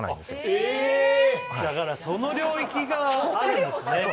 だからその領域があるんですね。